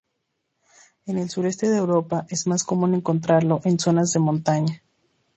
En el sureste de Europa es más común encontrarlo en zonas de montaña.